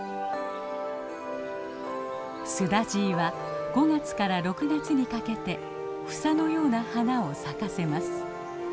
スダジイは５月から６月にかけて房のような花を咲かせます。